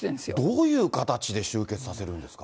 どういう形で終結させるんですか。